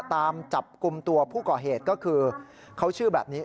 ตามจับกลุ่มตัวผู้ก่อเหตุก็คือเขาชื่อแบบนี้